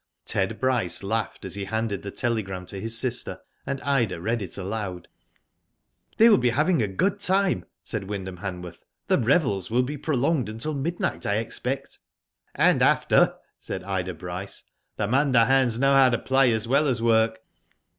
Ted Bryce laughed as he handed the telegram to his sister, and Ida read it aloud. They will be having a good time," said Wynd ^ ham Han worth. ^' The revels will be prolonged until midnight, I expect." ''And after,'^ said Ida Bryce. "The Munda hands know how to play as well as work."